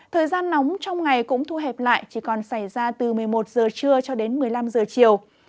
thời gian nóng trong ngày cũng thu hẹp lại chỉ còn xảy ra từ một mươi một giờ trưa cho đến một mươi năm giờ chiều